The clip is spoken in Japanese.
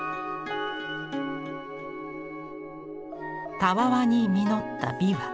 たわわに実った枇杷。